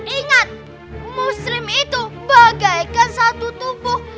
ingat muslim itu bagaikan satu tubuh